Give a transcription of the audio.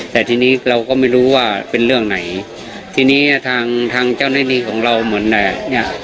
แต่ทีนี้เราก็ไม่รู้ว่าเป็นเรื่องไหนทีนี้ทางทางเจ้าหน้าที่ของเราเหมือนเนี้ย